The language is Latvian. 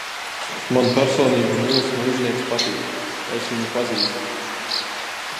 Man personīgi Nils Muižnieks patīk, es viņu pazīstu.